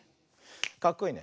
かっこいいね。